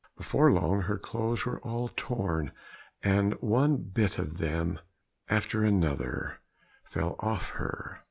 Before long her clothes were all torn, and one bit of them after another fell off her.